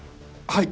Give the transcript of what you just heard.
はい！